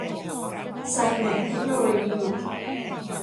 ไซแมท เทคโนโลยี